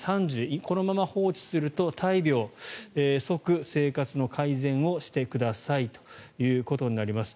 このまま放置すると大病即、生活の改善をしてくださいということになります。